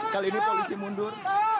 kali ini polisi mundur